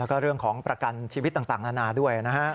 แล้วก็เรื่องของประกันชีวิตต่างนานาด้วยนะฮะ